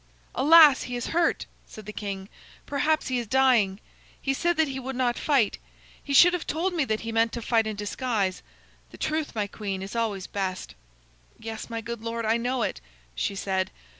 "Alas! he is hurt," said the king. "Perhaps he is dying. He said that he would not fight. He should have told me that he meant to fight in disguise. The truth, my queen, is always best." "Yes, my good lord, I know it," she said.